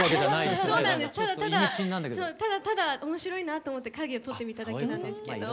ただただ面白いなと思って影を撮ってみただけなんですけど。